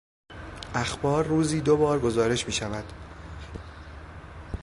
اخبار روزی دوبار گزارش میشود.